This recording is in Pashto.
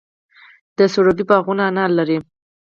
د سروبي باغونه انار لري.